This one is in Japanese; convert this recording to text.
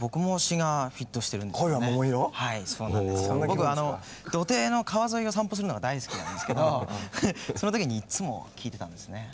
僕あの土手の川沿いを散歩するのが大好きなんですけどその時にいっつも聴いてたんですね。